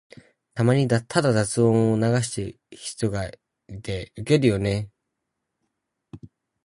たまにただ雑音を流してる人がいてウケるよね。